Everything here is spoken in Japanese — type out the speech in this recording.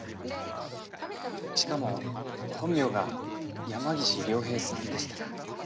しかも本名が山岸凌平さんでした。